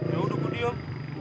ya udah gue diem